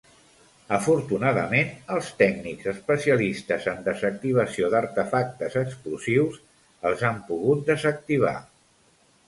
Afortunadament, els tècnics especialistes en desactivació d'artefactes explosius els han pogut desactivar.